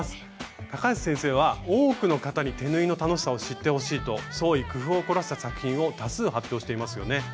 高橋先生は多くの方に手縫いの楽しさを知ってほしいと創意工夫を凝らした作品を多数発表していますよね。